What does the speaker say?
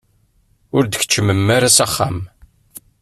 Ur d-tkeččmem ara s axxam?